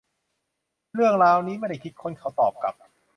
เรื่องราวนี้ไม่ได้คิดค้น เขาตอบกลับ